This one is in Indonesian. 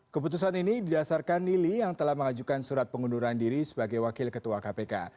keputusan ini didasarkan lili yang telah mengajukan surat pengunduran diri sebagai wakil ketua kpk